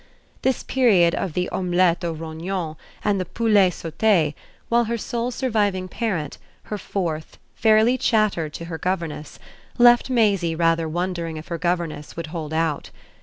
This period of the omelette aux rognons and the poulet sauté, while her sole surviving parent, her fourth, fairly chattered to her governess, left Maisie rather wondering if her governess would hold out.